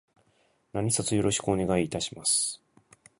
何卒よろしくお願いいたします。